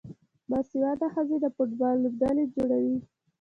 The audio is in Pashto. باسواده ښځې د فوټبال لوبډلې جوړوي.